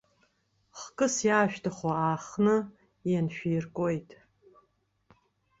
Хкыс иаашәҭаху аахны инашәиркуеит.